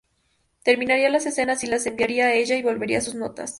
Terminaría las escenas y las enviaría a ella, y volvería sus notas.